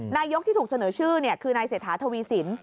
นายกที่ถูกเสนอชื่อเนี่ยคือนายเสถาธวีสิน